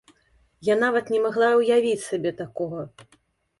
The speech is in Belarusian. Я нават не магла ўявіць сабе такога.